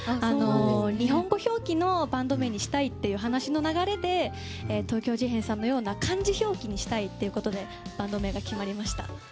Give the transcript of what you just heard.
日本語表記のバンド名にしたいという話の流れで、東京事変のような漢字表記にしたいということでバンド名が決まりました。